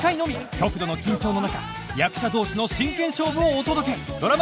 極度の緊張の中役者同士の真剣勝負をお届け！